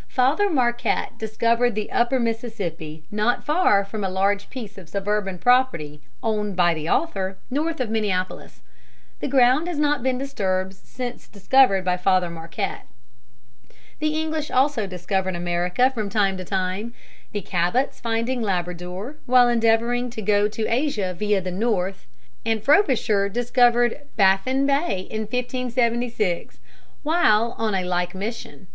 ] Father Marquette discovered the Upper Mississippi not far from a large piece of suburban property owned by the author, north of Minneapolis. The ground has not been disturbed since discovered by Father Marquette. The English also discovered America from time to time, the Cabots finding Labrador while endeavoring to go to Asia via the North, and Frobisher discovered Baffin Bay in 1576 while on a like mission.